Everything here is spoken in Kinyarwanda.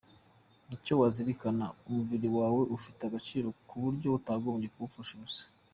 Icyo wazirikana: Umubiri wawe ufite agaciro ku buryo utagombye kuwupfusha ubusa.